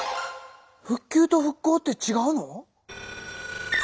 復旧と復興って違うの？